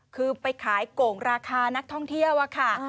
คือไปขายโก่งราคานักท่องเที่ยวอะค่ะ